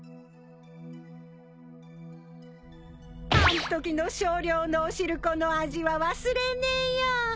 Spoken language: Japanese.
あんときの少量のお汁粉の味は忘れねえよ！